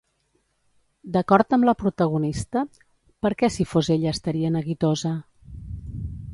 D'acord amb la protagonista, per què si fos ella estaria neguitosa?